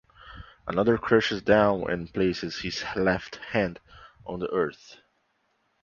Another crouches down and places his left hand on the earth.